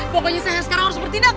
pokoknya saya sekarang harus bertindak